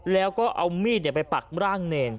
แล้วก็เอามีดไปปักร่างเนร